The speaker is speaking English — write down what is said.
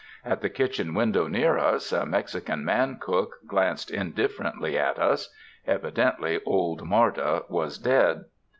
At the kitchen window near us a Mexican man cook glanced indifferently at us. Evidently Old Marda was dead.